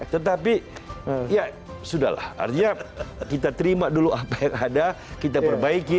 tetapi ya sudah lah artinya kita terima dulu apa yang ada kita perbaiki